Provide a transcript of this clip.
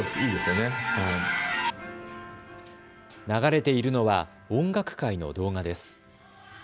流れているのは音楽会の動画です。